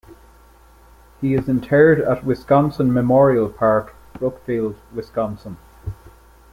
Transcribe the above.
He is interred at Wisconsin Memorial Park, Brookfield, Wisconsin.